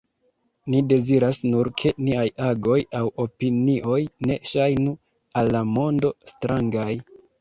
Ni deziras nur ke niaj agoj aŭ opinioj ne ŝajnu al la mondo strangaj.